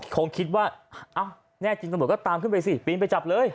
คงคิดว่าอ้าวแน่จริงตำรวจก็ตามขึ้นไปสิปีนไปจับเลย